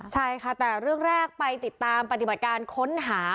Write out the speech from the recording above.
ใช่ค่ะแต่เรื่องแรกไปติดตามปฏิบัติการค้นหา